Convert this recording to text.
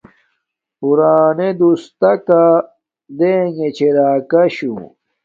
پُرانے دوستاکا کوتا دینے چھے راکا شو